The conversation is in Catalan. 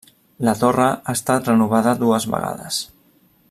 La torre ha estat renovada dues vegades.